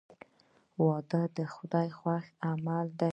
• واده د خدای خوښ عمل دی.